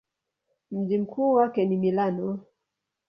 Mji mkuu wake ni Milano.